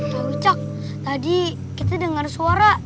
pak ucak tadi kita dengar suara